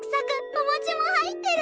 おもちも入ってる！